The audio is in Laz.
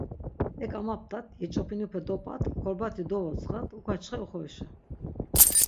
Ek amaptat, yeç̆opinupe dop̆at, korbati dovodzğat, uk̆açxe oxorişa...